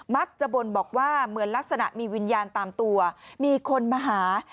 บนบอกว่าเหมือนลักษณะมีวิญญาณตามตัวมีคนมาหา